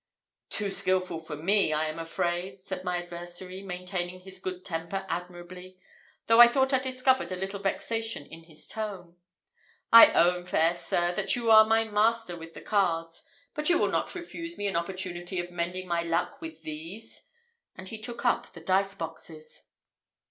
"Too skilful for me, I am afraid," said my adversary, maintaining his good temper admirably, though I thought I discovered a little vexation in his tone. "I own, fair sir, that you are my master with the cards; but you will not refuse me an opportunity of mending my luck with these;" and he took up the dice boxes.